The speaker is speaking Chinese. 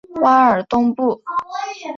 瓦尔东布。